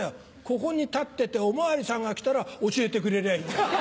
ここに立っててお巡りさんが来たら教えてくれりゃいいんだから。